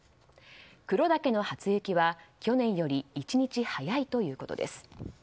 黒岳の初雪は去年より１日早いということです。